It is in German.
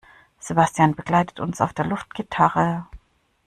Sebastian begleitet uns auf der Luftgitarre.